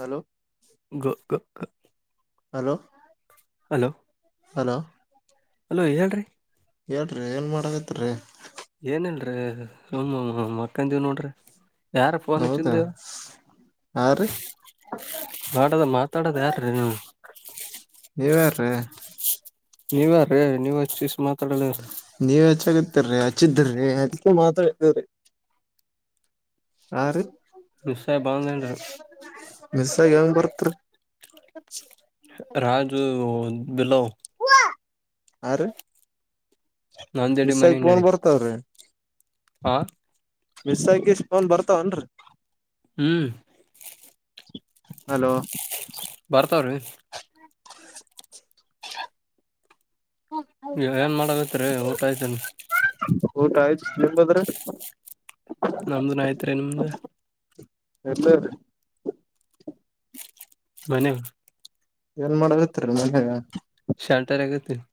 Hello hello. Hello. Hello. Hello ಹೇಳ್ರರಿ. ಹೇಳ್ರರಿ ಏನ್ ಮಾಡಕೈತ್ ರೀ. ಏನಲ್ರಿೀ ಸುಮ ಮಕ್ಕಂದೀವು ನೋಡ್ರಿ. ಯಾರ ಫೋನ್ ಹೌದಾ ಹಚ್ಚಿದ್ದು. ಆ ರೀ ಮಾಡದ ಮಾತಾಡೋದ ಯಾರೀ ನೀವು. ನೀವು ಯಾರ್ರೀ. ನೀವ ಯಾರೀ ನೀವ್ ಹಚ್ಿವಸ ಮಾತಾಡಲ್ಲಾರ. ನೀವ್ ಹೆಚ್ಚಾಗತ್ತರರಿ ಹಚ್ಚಿದ್ರಿ ಅದಕ್ಕೆ ಮಾತಾಡ್ತವ್ರೀ. ಹಾ ರೀ. ಮಿಸ್ಸಾಗಿ ಬಂದದ್ದೇನ್ರೀ. ಮಿಸ್ಸಾಗಿ ಹೆಂಗ್ ಬಂತ್ರಿ. ಅ [unintelligible] ರಾಜು ಬಿಲೊವ. ಹಾರಿ ನಂದೇಡಿ ಮಿಸ್ಸಾಗಿ ಫೋನ್ ಬರ್ತಾವ್ರಿ. ಹಾ. ಮಿಸ್ಸಾಗಿ ಫೋನ್ ಬರತಾವ ಏನ್ರೀ. ಹ್ಮ್. ಹಲೋ. ಬರ್ತಾವ್ರೀ. ನೀ ಏನ್ ಮಾಡಬೇಕತ್ರಿ ಊಟ ಆಯ್ತನ್. ಊಟ ಆಯ್ತು ನಿಮ್ಮದು ರೀ. ನಮ್ದು ಆಯ್ತ್ರಿ ನಿಮ್ದ್. ಎಲ್ಲರು ಮನೆ ಏನ್ ಮಾಡದತ್ತರಿ ಮನೆಯಾಗ ಶಾಲ್ಟರ್ ಆಗತ್ತ [unintelligible]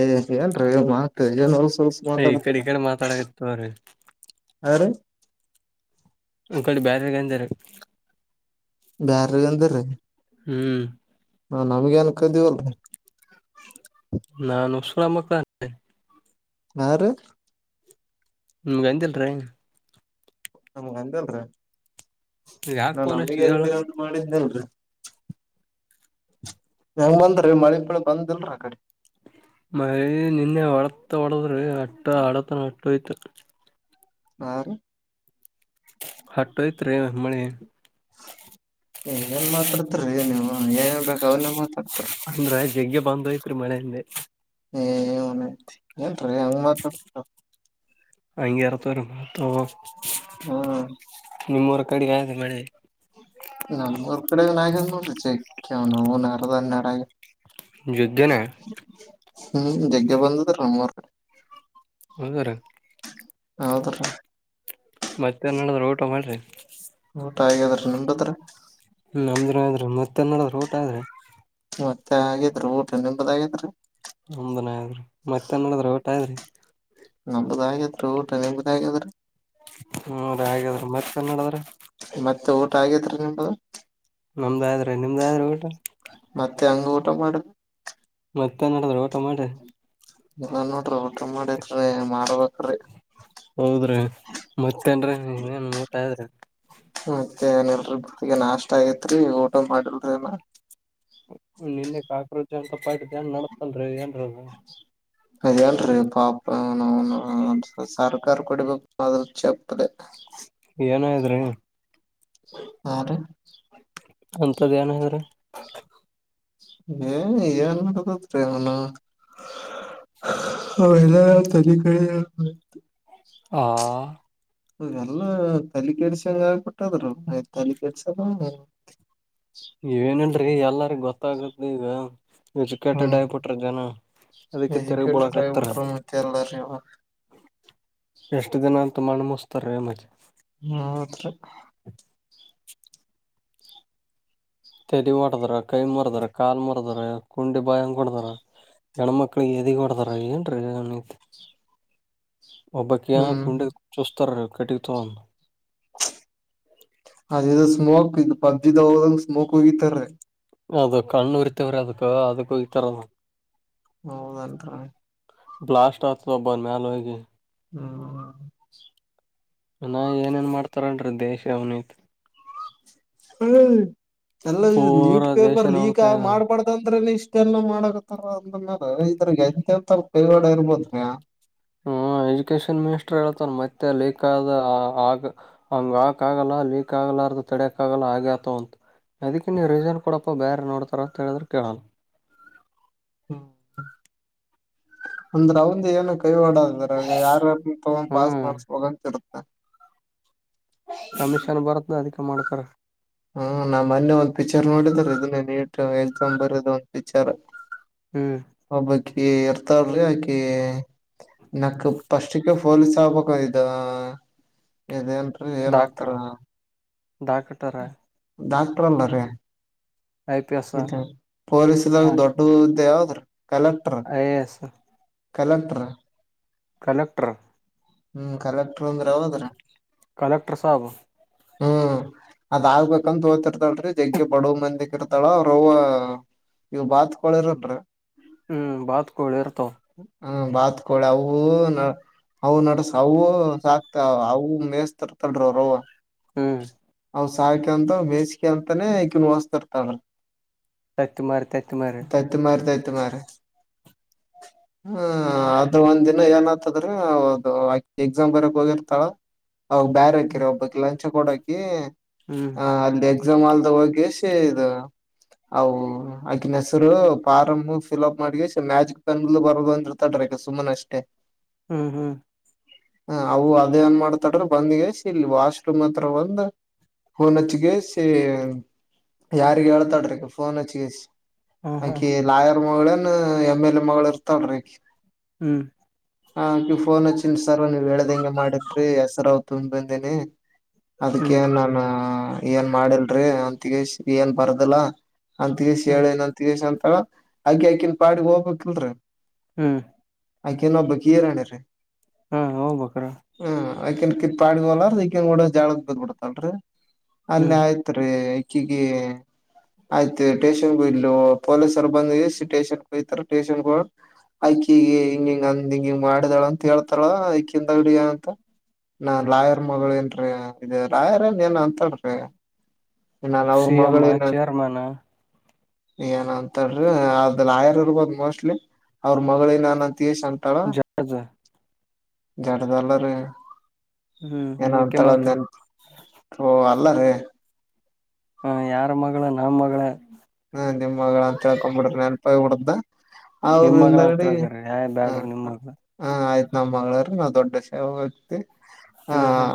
ಏ ಏನ್ರೀ ಏ ಮಾತ್ ಏನೇನು ಹೊಲ್ಸ ಹೊಲ್ಸ ಈ ಕಡೆ ಈ ಮಾತಾಡತರ ಕಡೆ ಮಾತಾಡಕತ್ತವ್ರಿ ಆ ರೀ ಒಂಕಡೆ ಬ್ಯರೆರ್ಗನ್ ಜರು [unintelligible] ಬ್ಯಾರ ಎಂತ್ರೀ ಹ್ಮ್ ಹಾ ನಮ್ಗೆ ಆನ್ಕದೀವಲ್ರಿ ನಾನ್ ಹುಚ್ ಸುಳಮಕ್ಕ್ ಹಾ ರೀ ನಿಮ್ಗೆ ದಿಲ್ಲ ರೀ [unintelligible] ನಮ್ಗ ಅಂತಲ್ರ ಯಾಕ ನಾ ಫೋನ್ ನಮಗ ಹಚ್ಚಿದ ಹೇಳ ಎಂದಿನ ಉಂಟು ಮಾಡ ಅಲ್ರಿ ಹೆಂಗ್ ಬಂದ್ರರಿ ಮಳೆ ಬೆಳೆ ಬಂದ್ಲ್ರಿ ಆ ಕಡೆ ಮೈ ನಿನ್ನೆ ಹೊಡತ ಒಡದ್ರಿ ಅಟ್ಟ ಆಡತನ ಅಟ್ಟ ಯ್ತ ಹಾ ರೀ ಹಟ್ಟೋಯ್ತ ರೀ ಮಳೆ ಏನ್ ಮಾತಾಡ್ತರಿ ನೀವು ಏನ್ ಹೇಳ್ಬೇಕು ಅವ್ ನೀ ಮಾತಾಡ್ತರಿ [unintelligible] ಅಂದ್ರ ಜಗ್ಗೆ ಬಂದ್ ಹೋಯ್ತ್ರಿ ಮಳೆ ಅಂದೆ ಏ [unintelligible] ನ್ತಿ ಏನ್ರರಿ ಹಂಗ ಮಾತಾಡ್ ಅಂಗೆ ಇರತವ್ ರೀ ಮಾತ್ರ ಹ್ಮ್ ನಿಮ್ಮ್ ಊರ ಕಡೆ ಆದೆ ಮಳೆ ನಮ್ಮೂರ್ ಕಡೆ ನ ವಿ ನ [unintelligible] ಅರ ತನ್ನೆಡ ಯೋಗ್ಯನಾ [unintelligible] ಹ್ಮ್ ಜಗ್ಗೆ ಬಂದದ್ರೀ ನಮ್ಮ್ ಊರ್ ಕಡೆ ಹರ [unintelligible] ಹೌದ್ರ ಮತ್ತೆ ಏನ್ ನಡದ್ರ ಊಟ ಮಾಡ್ರಿ. ಊಟ ಹಾಗದ್ರ ನಮ್ದ ಊಟ ರೀ ಹ್ಮ ನಮ್ ಆದ್ರ ಮತ್ತ ನಡ [unintelligible] ರೋಟ ಆದ್ರೆ ಮತ್ತೆ ಆಗಿದ್ರರು ಊಟ ನಿಂಬದಾಗಿದ್ರಿ ಒಮನ್ [unintelligible] ಮತ್ತೇನ್ ನೋಡ್ರ ಒಟ್ ನಮ್ದು ಆಗತ್ ರೀ ಊಟ ನಿಮ್ದು ಆಗ್ಯಾದ್ರೀ ಹ್ಮ ರೀ ಹಾಗದ್ರ ಮತ್ ಏನ್ ಮಾಡುದ್ರಿ ಮತ್ತೆ ಊಟ ಆಗಿದ್ರೀ ನಿಮ್ಮದು ನಮ್ದ್ ಆದ್ರೆ ನಿಮ್ದ ಆದ್ರೆ ಊಟ ಮತ್ತೆ ಹಂಗ ಊಟ ಮಾಡದ್ ಮತ್ತೆ ಏನ್ ಮಾಡುದ್ರಿ ಊಟ ಮಾಡುದ್ರಿ ಎಲ್ಲ ನೋಡ್ರಿ ಊಟ ಮಾಡತ್ರಿ ಮಾಡಾರ್ಬೇಕ್ರಿ ಹೌದ್ರಿ ಮತ್ತೇನ್ ಇನ್ನೇನ್ ಊಟ ಆದದ್ರಿ ಮತ್ತೆ ಏನಲ್ರರಿ ನಾಷ್ಟ ಆಗೇತ್ರಿ ಊಟ ಮಾಡಿಲ್ರಿ ಏನ ನಿನ್ನೆ ಕಾಕ್ರೋಜಿ ಅಂತ ಪಾ ಏನ್ ನಡತನ್ರೀ ಏನ್ರದು [unintelligible] ಅದೇಲ್ರರಿ ಪಾಪ ಅವನ್ ಅವುನು ಸರ್ಕಾರ ಕೊಡಿಬೇಕ [unintelligible] ಏನ ಇದ್ರಿ ಹಾ ರ ಅಂತದ್ ಏನ ಹೇಳಿದ್ರ ಏ ಏನ್ ಅತ್ರಿ ಅವನು ಹ ಎಲ್ಲ ತಲ್ಲಿ [unintelligible] ಆ ಎಲ್ಲಾ ತಲೆ ಕೆಡಿಸಿದ ಭಟ್ ಅದು ತಲೆ ಕೆಡಿಸಿದಂಗ ಇವೇನಲ್ರರಿ ಎಲ್ಲರಿ ಗೊತ್ತಾಗತ್ ಈಗ ಎಜುಕೇಟೆಡ್ ಹ್ಮ್ ಆಗಬಿಟ್ರಿ ಜನಾ ಎಜುಕೇಟೆಡ್ ಆಗಿಬಿಟರಾ ಮತ್ತೆ ಎಲ್ಲರೂ ಇವಾಗ ಎಷ್ಟು ದಿನ ಅಂತ ಮಣ ಮೂಸ್ತಾರ ನಿಮ್ಮಲ್ಲಿ ಹುಂ ತೆಲಿ ಹೊಡೆದರೆ, ಕೈ ಮುರದ್ರ, ಕಾಲ್ ಮುರದರ ಕುಂಡಿ ಬಾಯಂಗ ಹೋಡದರ. ಹೆಣ್ಣುಮಕ್ಕಳಿಗೆ ಎದಿಗೆ ಹೋಡದರ್ ಏನ್ನ್ ಐತೆ ಒಬ್ಬಕಿಯ ಹ್ಮ್ ಕುಂಡೆಗಿ ಚೂಚ್ಚತಾರ ಕಟ್ಟಗಿ ತಗೋಡ ಅದ ಇದು ಸ್ಮೋಕ್ ಇದು ಪಬ್ಜಿದ ಹೋದಂಗ ಸ್ಮೋಕ್ ಒಗಿತಾರಿ ಅದು ಕಣ್ಣುರಿತಾವ್ರಿ ಅದಕ್ಕ ಅದಕ್ಕ ಒಗಿತಾರದ. ಹೌದು ನನ್ ಬ್ಲಾಸ್ಟ್ ಆಗ್ತ ಒಬ್ಬ ಮ್ಯಾಲ ಹೋಗಿ. ಹುಂ ಇನ್ ಏನೇಏನ್ ಮಾಡ್ತಾರನ್ರೀ ದೇಶ ಅವ್ನೈತ್ ಹ್ಮ ಎಲ್ಲಾ ನೀಟ್ ಪೂರಾ ಪೇಪರ್ ದೇಶನ ಅವನ್ ಲೀಕ್ ಕೈಯಾಗ ಮಾಡಬಾರದ ಅಂದ್ರೆ ಇಷ್ಟೆಲ್ಲಾ ಮಾಡಕತಾರ ಅಂದ್ಮೇಲೆ ಇದ್ರಾಗ್ ಎಂತೆ ಎಂತ ಕೈವಾಡ ಇರಬೇಕ್ರಿ ಹಾ ಹ್ಮ ಎಜುಕೇಶನ್ ಮಿನಿಸ್ಟರ್ ಹೇಳತಾನ ಮತ್ತೆ ಲಿಕ್ ಖಾದ ಆಗ ಹಂಗ ಆಕಾಗಲ್ಲ ಲೀಕ್ ಆಗಲ್ಲಾರದ ತಡಿಯಾಕ್ಕ ಆಗಲ್ಲ ಆಗೇ ಆತಾವ ಅದಕ್ಕೆ ನೀವು ರೀಸನ್ ಕೊಡಪ್ಪ ಬೇರೆ ನೋಡ್ತಾರ ಅಂತ ಹೇಳಿದ್ರೆ ಕೇಳಲ್ಲ ಹುಂ ಅಂದ್ರೆ ಅವಂದ ಏನು ಕೈವಾಡದ್ರ ಯಾರರ ತಗೊಂಡ್ ಪಾಸ್ ಹ್ಮ್ ಮಾಡ್ಸಬಹುದಂತ ಇರುತ್ತೆ ಕಮಿಷನ್ ಬರತ್ನ ಅದಿಕ ಮಾಡ್ತಾರಾ ಹ್ ನಮ್ಮ್ ಮೊನ್ನೆ ಒಂದ್ ಪಿಕ್ಚರ್ ನೋಡಿದ್ರ ಇದನ್ನ ನೀಟ್ ಎಳ್ತೊ ಬರದು ಒಂದ್ ಪಿಕ್ಚರ್- ಹುಂ ಒಬ್ಬಕಿ ಇರ್ತಾಳ್ರಿ ಆಕಿ ನೇಕ್ ಪಸ್ಟಕ ಪೊಲೀಸ್ ಆಗಬೇಕ ಆದ ಇದೇನ್ ರೀ ಡಾಕ್ಟ್ರ ಡಾಕ್ಟರ ಡಾಕ್ಟರ್ ಅಲ್ಲಾ ರೀ ಐ ಪಿ ಎಸ್ ಇತ ಪೊಲೀಸ್ ಇದಾಗ ದೊಡ್ಡದ ಹುದ್ದೆ ಯಾವದರೀ collector I A S collector collector ಹು ಕಲೆಕ್ಟರ್ ಅಂದ್ರ ಯಾವದ್ ರಿ ಕಲೆಕ್ಟರ್ ಸಾಬ್ ಹುಂ ಅದ ಆಗ್ಬೇಕಂತ ಹೋಗತಿರ್ತಾನರೀ ಜಗ್ಗೆ ಬಡೋ ಮಂದಿಗ್ ಇರತ್ತ ಅತ್ತ ಅವ್ರ ಅವ್ವಾ ಇವ ಬಾತ್ ಕೊಳಿಇರನ್ರ ಹೂ ಬಾತ ಕೋಳಿ ಇರತಾವ ಹ್ಮ ಬಾತ್ ಕೋಳಿ ಅವು ನಾ ಹ್ ನಡಸ ಅವು ಸಾಕ್ತ ಅವು ಮೇಸ್ ತಿರ್ತಾಳಲ್ರೀ ಅವ್ರವ್ವ ಹ್ಮ್ ಅವ್ ಸಾಯ್ಕೆಂತ ಬೇಯ್ಸ್ಕೆಂತನೆ ಕೆಲುವ್ ವಸ್ತರ್ತರ. ಪತ್ ಮರಿ ತತ್ ಮರಿ. [unintelligible] [inaudible] ಹ್ಮ ಅದು ಒಂದಿನ ಏನಾತದ್ರಿ ಅದು ಎಕ್ಸಾಮ್ ಬರಿಯಾಕ್ ಹೋಗಿರ್ತಾರ. ಅವ್ ಹ್ಮ್ ಬರಕಿರೊ ಒಬ್ಬಕಿ ಲಂಚ ಕೊಡಕಿ. ಹ್ಮ್ ಅಂದ್ ಎಕ್ಸಾಮ್ ಆಲ್ದ ಒಗೆಸಿ ಇದು ಅವು. ಆಕಿನ್ ಹೆಸ್ರು ಪರಮ್ಮು ಫಿಲ್ಪ್ ಮಾಡಿ ಸುಮ್ ಮ್ಯಾಜಿಕ್ ಪೆನ್ ಲ್ ಬರ್ದ್ಬಂದಿರ್ತಾಲ್ಡ್ರಿ ಅಕಿ ಸುಮ್ನೆ ಅಷ್ಟೇ. ಹ್ಮ್ ಹ್ಮ್. ಹ ಅವು ಅದ ಏನ್ ಮಾಡ್ತಾಳ್ರಿ ಬಂದ್ಗೆಸ್ ಇಲ್ ವಾಶ್. ರೂಮತ್ರ ಬಂದು ಹೊನಚ್ಗೆಸಿ. ಯಾರಿಗೊ ಹೇಳ್ತಾಡ್ರಿ ಹಕಿ ಫೋನ್ ಹಚ್ಗೆಸಿ. ಹ್ಮ್ ಹ್ಮ್ ಆಕಿ ಲಾಯರ್ ಮಗಳೇನ್ ಎಮ್ ಎಲ್ ಎ ಮಗ್ಳು ಇರ್ತಲ್ರಿ ಅಕಿ. ಹ್ಮ್. ಹಕಿ ಫೋನ್ ಹಚ್ಚಿನ್ ಸರ್ ನೀವ್ ಹೇಳ್ದಂಗೆ ಮಾಡಿದ್ರಿ ಹೆಸರಾವ್ ತುಂಬಂದೇನಿ. ಹ್ಮ್ ಹ್ಮ್ ಅದಿಕ್ಕೆೇ ನನು ಏನ್ ಮಾಡಿಲ್ರಿ ಒಂತಿಗೆ ಏನ್ ಬರ್ದಿಲ್ಲ. ಅಂತೀಶ್ ಹ್ಮ್ ಹೇಳ ಇನೊಂತೀಶ್ ಅಂತಳ ಅಂಕೆ ಇಕಿನ್ ಪಾಡಿಗ್ ಹೋಗ್ಬೇಕಿಲ್ರಿ. ಹ್ಮ್. ಆಕೆನೊಬ್ಬ ಕೀರಾಣೆ ರೀ ಹಾ ಹೋಗ್ಬೇಕ್ರ ಹಾ. ಆಕನ್ ಕಿತ್ಡ್ವಲ್ಲ ಇಕನ್ ನೋಡಿರ್ ಜಗ್ಳಾಕ್ ಬಿದ್ಬುಡ್ತಳ್ರಿ ಅಲ್. ಹ್ಮ್ ತ್ರಿ ಇಕಿಗೆ. ಆಯ್ತು ಸ್ಟೇಷನ್ಗ್ ಒಯಿದ್ಲು ಪೊಲೀಸರ್ ಬಂದಿಗೆ ಸ್ಟೇಷನ್ಗೊಯ್ತರೆ ಸ್ಟೇಷನ್ಗ. ಅಕ್ಕಿ ಹಿಂಗ್ ಹಿಂಗ್ ಅಂದ್ ಹಿಂಗ್ ಹಿಂಗ್ ಮಾಡಿದಾಳ್ ಅಂತ್ ಹೇಳ್ತಾರ ಅಕ್ಕಿಂದ. [unintelligible] ನಾ ಲಾಯರ್ ಮಗುಳೆನ್ರೀ ಇದು ಲಾಯರ್ ಅಂದ್ ಏನ ಅಂತಳ್ರಿ. ನವ್ ಅವ್ರ ಸಿ ಎಂ ಮಗಳೇನ. ಚೇರ್ಮನ್ ಏನ ಅಂತಳ್ರಿ ಅದ್ ಲಾಯರ್ ಇರ್ಬೋದ್ ಮೋಸ್ಟ್ಲಿ. ಅವ್ರ ಮಗ್ಳು ನಾನು ಅಂತ್ ಯೇಶ್ ಅಂತ್. ಳ ಜಡ್ಜ್ ಜಡ್ದಲ್ಲಾ ರೀ. ಹ್ಮ್ ಹ್ಮ್ ಓಕೆ. [unintelligible] ಓ ಅಲ್ಲ ರೀ. ಹಾ ಯಾರ ಮಗ್ಳು ನಮ್ ಮಗ್ಳ. ಹ ನಿಮ್ಗಳ ಅಂತ ಹಳ್ಕೊ ಬಿಡ್ರಿ ನೆನ್ಪಾಗ್ ಬಿಡತ್ತ. ಅವ್ರ್ ನಿಮ್ ಮಗಳ ಅಂತ ಇಂದೆಗಡಿ ತಿಳ್ಕರಿ ಯಾ ಹ. ಬ್ಯಾಡ್ರಿ ನಿಮ್ ಮಗಳ ಹ ಆಯ್ತ್ ನಮ್ಮ್ ಮಗ್ಳಾರಿ ನಾವ್ ದೊಡ್ಡ ಸೇವೋಗ್ತಿ. ಹ್ಮ್ ಹ್ಮ್.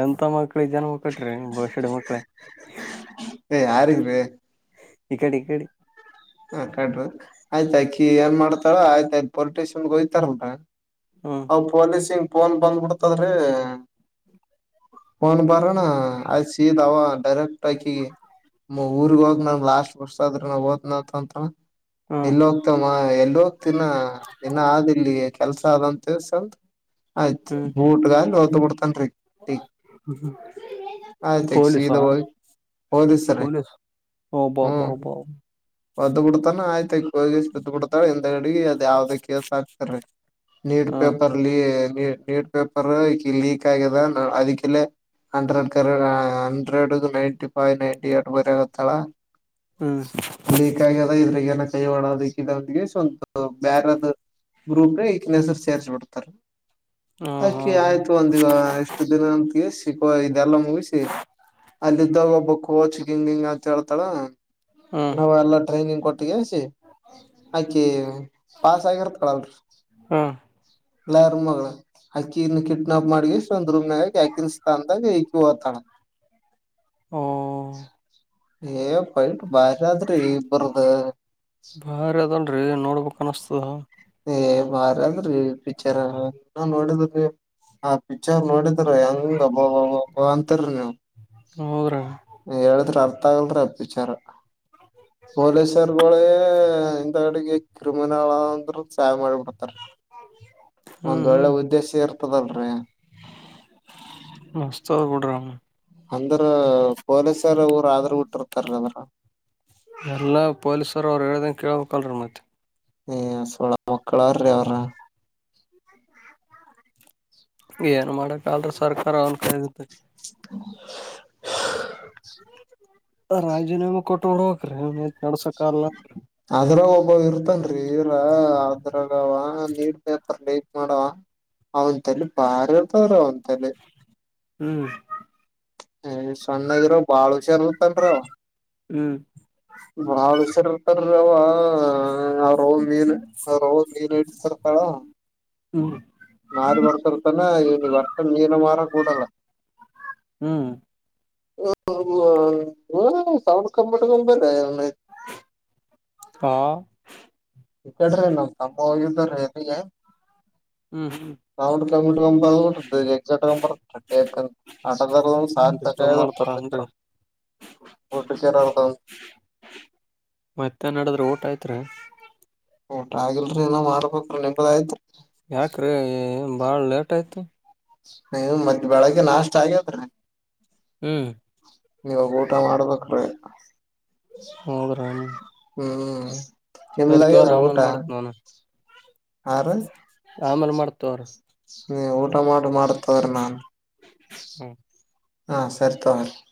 ಎಂತ ಮಕ್ಳಿಗ್ ಜನ್ಮಾ ಕಟ್ರಿ ಬಸುಡಿ ಮಕ್ಳ. ಏ ಯಾರಿಗ್ರಿ. ಇಕಡ್ ಇಕಡಿ. ಆಯ್ತಕಿ ಏನ್ ಮಾಡ್ತಾಳ ಆಯ್ತ್ ಅಕಿ ಪೊಲಿಟಿಷಿಯನ್ಗೆೋಯ್ತಾರಂತ. ಹ್ಮ್. ಒಂದ್ ಪೊಲೀಸಿಂದ್ ಫೋನ್ ಬಂದ್ಬಿಡ್ತದ್ರೆ. ಮೋನ್ ಬರಣ ಆಲ್ ಸಿದಾವ ಡೈರೆಕ್ಟ್ ಅಕಿ. ಮಾ ಊರ್ಗ್ ಹೋಗ್ ನಂಗ್ ಲಾಸ್ಟ್ ಬಸದ್ರ ನಾವ್ ಓತ್ನಾ ಅಂತ್ ಅಂತಾಳ. ಹ್ಮ್ ಎಲೋಗ್ತನ ಎಲೋಗ್ತಿನ ಇನ್ನ ಅಗಿಲ್ಲಿ ಕೆಲ್ಸ ಅದಂ. ದಿವ್ಸಂತ್ ಆಯ್ತ್ ಹ್ಮ್ ಬೂಟ್ಗಲಾಲ್ ಒದ್ ಬಿಡ್ತನ್ ರೀ. [unintelligible] ಹ್ಮ್ ಆಯ್ತು ಈಗ ಪೊಲೀಸಾ ಸೀದಾ ಹ [unintelligible] ಹಓದ ಸರ ಪೊಲೀಸ್ ಒಬ್ಬ ಒಬ್ಬ ಹ್ಮ್ ಒಬ್ಬ ಒದ್ದ್ ಬಿಡ್ತಾನ ಆಯ್ತದ್ದ್ ಬಿಡ್ತಾ ಹಿಂದ ಅಡಿಗೆ ಅದ್ ಯಾವ್ದ ಕೆಲ್ಸ ಆಗ್ತಾರೀ ಲೀಡ್ ಹ ಪೇಪರ್ ಲಿ ಲೀಡ್ ಪೇಪರ್ ಲೀಕ್ ಆಗಿದೆ ಅದಕಲ್ಲ ಹಂಡ್ರೆಡ್ ಕರೆ hundred ninety five ninety eight ಬರಿ ಆಗತ್ತಳ ಹ್ಮ್ ಲೀಕ್ ಆಗ್ಯದ ಇದ್ರಗ ಏನ ಕೈವಾಡೋದ ಈಕಿದು ಸ್ವಂತ ಬ್ಯಾರದ ಗ್ರೂಪ್ ಹೆಸರು ಸೇರ್ರಿಸ ಬಿಡ್ತಾರೆ ಹ ಹಾ ಅದಕಿ ಹಾ ಆಯ್ತು ಒಂದಗ ಎ ಎಷ್ಟ ದಿನಂತ ಸಿಕವಾ ಇದಲ್ಲಾ ಮುಗಿಸಿ ಅಲ್ಲಿದ್ದಾಗ ಒಬ್ಬ ಕೋಚ್ ಹಿಂಗ ಹಿಂಗ ಅಂತ ಹೇಳ್ತಾಳ ಹ್ಮ್ ನಾವ ಎಲ್ಲ ಟ್ರೈನಿಂಗ್ ಕೊಟ್ಟಸಿ ಆಕಿ ಪಾಸ್ ಆಗಿರ್ತ್ ಕಳಲ್ರಿ ಹ್ಮ್ ಲಾಯರ್ ಮಗಳು ಅಕ್ಕಿನ್ನು ಕಿಡ್ನಾಪ್ ಮಾಡಿ ಇಷ್ಟ ಒಂದು ರೂಮ್ನಾಗೆ ಆಕಿರ್ಸ್ತ ಅಂದಾಗ ಈಕಿ [unintelligible] ಹ್ಮ ಏ ಪೈಟ್ ಬಾರಿ ಆದ್ರಿ ಇಬರ್ದ ಬಾರಿ ಅದನ್ರೀ ನೋಡ್ಬೇಕಕ್ ಅನಿಸ್ತದ ಏ ಬಾರ ಅದ್ರಿ ಪಿಕ್ಚರ್ ನ ನೋಡಿದ್ರೀ ಹ ಪಿಕ್ಚರ್ ನೋಡಿದ್ರ ಹೆಂಗ್ ಅಬ್ಬಬಾ ಓ ಅಂತಲ್ರಿ ಹೌದ್ರಿ ನೀವು ಹೇಳಿದ್ರ ಅರ್ಥ ಆಗಲ್ರೀ ಅ ಪಿಚ್ಚರ್ ಪೊಲೀಸರ್ಗಳೇ ಇಂತ ಅಡಿಗೆ ಕ್ರಿಮಿನಲ್ ಅಂದ್ರು ಸಹಯಾ ಮಾಡಿಬಿಡ್ತಾರ ಹ್ಮ್ ಒಂದ್ ಒಳ್ಳೆ ಹ್ಮ್ ಉದ್ದೇಶ ಇರ್ತದಲ್ರಿ ಮಸ್ತ್ ಅವಾ ಬಿಡ್ರಿ ಅಂದ್ರ ಪೊಲೀಸರ ಊರು ಆದ್ರ ಬಿಟ್ಟಿರ್ತಾರ ಅದ್ರ ಎಲ್ಲ ಪೊಲೀಸರು ಅವ್ರು ಹೇಳ್ದಂ ಕೇಳ್ಬೇಕ್ ಅಲ್ರಿ ಮತ್ತೆ ಏ ಸಳ ಮಕ್ಕಳಾರ್ರೀ ಅವ್ರ [unintelligible] [inaudible] ಏನ್ ಮಾಡಕ್ಲ್ರ ಸರ್ಕಾರ ಅವನ್ ಕದತ್ತ [inaudible] ರಾಜೀನಾಮೇ ಕೊಟ್ಟ ಬಿಡ್ಬೇಕು ರೀ ಅವನ್ ಹೆ ನಡ್ಸಕ್ಲ್ಲನ್ರಿ ಅದ್ರ ಒಬ್ಬ ಇರ್ತನ್ ರೀ ಇರ ಅ್ರವ ನೀೂಡ್ ಪೇಪರ್ ಲೈಟ್ ಮಾಡವ ಅವನ್ಲೆ ಬಾರಿ ಇರ್ತದ್ರ ಅವನ ತಲೆ [inaudible] ಹ್ಮ್ ಏ ಸಣ್ಣಗಿರ ಬಾಳ್ ಹುಷಾರ್ತ್ತನ್ರ ಹ್ಮ್ ಬಾವ್ ಹೆಸರ್ರ್ತಾರ ಅವ [unintelligible] ರೌಲ್ ಮೀನು ರೌ ಮೀನು ಇಡ್ ಸರ್ಳ [unintelligible] ಹ್ಮ್ ಮಾರಿ ಬರ್ತರ್ತಾನ ಇವನ ವರ್ತ ಮೀನ ಮಾರ ಕೂಡಲ್ಲ ಹ್ಮ್ ಹ ಸೌಂಡ್ ಕಂಪರ್ಟ್ ಕಪ [unintelligible] ಹಾ ಈ ಕಡ್ರಿ ನಮ್ ತಮ್ಮ್ದ್ರ ಅಲ್ಲಿಗೆ ಹ್ಮ್ ಹ್ಮ್ ನಾವು ಕಿ ಕ ಎ ಕ [unintelligible] ಹೊಟ್ಟ ನಗರ ಡಿಸ್ಟರ್ಬ್ ಮಾಡ್ತಾರ ಸಾಾರ್ಥಕಡ್ರ ಅನ್ರಿ [unintelligible] ಊಡ್ ಕೇರ ಅರ್ದ. [unintelligible] ಮತ್ತೆ ಏನ್ ನಡೆದದ್ರಿ ಊಟ ಆಯ್ತ್ರಿ. ಊಟ ಆಗಿಲ್ರರಿ ಇನ್ ಮಾಡ್ಬೇಕ್ರೀ ನಿಂಬದಯ್ತ್ರಿ. ಯಾಕ್ರೀ ಭಾಳ ಲೇಟ್ ಆಯ್ತು. ಹ್ಮ ಮತ ಬೆಳಗ್ಗೆ ನಾಷ್ಟ್ ಆಗ್ಯದ್ರೀ. ಹ್ಮ. ಇವಗ ಊಟ ಮಾಡ್ಬೇಕ್ರಿ. ಹೌದನ. ಹ್ಮ್ ನಿಮ್ದು ಆಗ್ಯಾದ್ರಿ ಊಟ. ಆಮೇಲೆ ಮಾಡ್ತೀನಿತೂ. ನಿವು ಊಟ ಮಾಡ್ರಿ ಮಾಡ್ತೀನಿ ತಗೂರಿ ನಾನ್ ಹ್ಮ ಹಾ ಸರಿ ತಗೋರಿ.